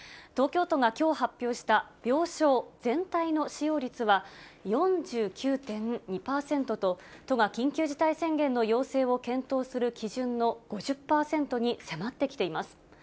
東京都がきょう発表した病床全体の使用率は４９．２％と、都が緊急事態宣言の要請を検討する基準の５０％に迫ってきています。